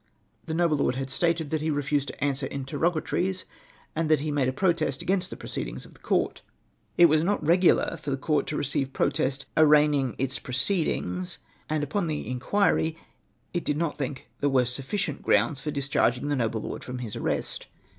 The noble lord had stated that he refused to answer interrogatories, and that he made a protest against the proceedings of the coml. It was not regular for the court to, receive protest arraigning its pro ceedings, and upon the inquiry it did not think there was suffi cient grounds for discharging the noble lord from his arrest.